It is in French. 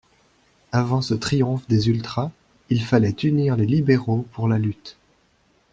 Avant ce triomphe des ultras, il fallait unir les libéraux pour la lutte.